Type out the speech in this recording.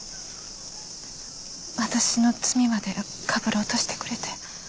私の罪までかぶろうとしてくれて。